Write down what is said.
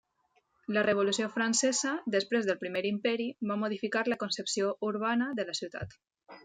La Revolució francesa, després del Primer Imperi va modificar la concepció urbana de la ciutat.